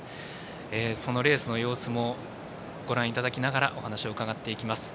そのレースの様子もご覧いただきながらお話を伺っていきます。